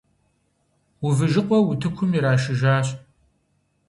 Увыжыкъуэ утыкум ирашыжащ.